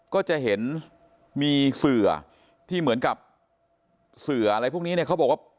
ก็จะเห็นมีเสือที่เหมือนกับเสืออะไรพวกนี้เนี่ยเขาบอกว่า